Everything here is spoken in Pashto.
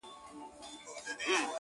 ما تاته د پرون د خوب تعبير پر مخ گنډلی.